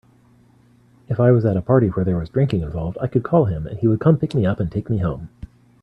If I was at a party where there was drinking involved, I could call him and he would come pick me up and take me home.